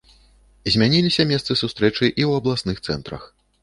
Змяніліся месцы сустрэчы і ў абласных цэнтрах.